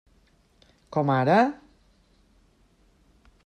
Com ara?